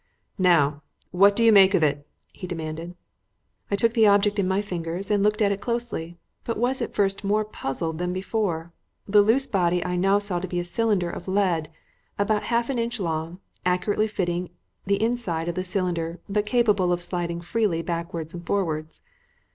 "Now, what do you make it?" he demanded. I took the object in my fingers and looked at it closely, but was at first more puzzled than before. The loose body I now saw to be a cylinder of lead about half an inch long, accurately fitting the inside of the cylinder but capable of slipping freely backwards and forwards.